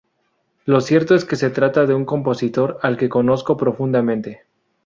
Lo cierto es que se trata de un compositor al que conozco profundamente.